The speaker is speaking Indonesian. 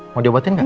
mau diobatin nggak